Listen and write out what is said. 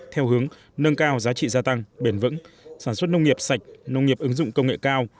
theo hướng nâng cao giá trị gia tăng bền vững sản xuất nông nghiệp sạch nông nghiệp ứng dụng công nghệ cao